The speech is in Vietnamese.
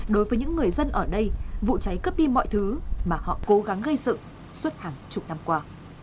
đối với những người dân ở đây vụ cháy cướp đi mọi thứ mà họ cố gắng gây dựng suốt hàng chục năm qua